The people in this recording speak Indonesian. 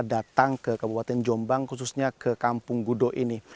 datang ke kabupaten jombang khususnya ke kampung gudo ini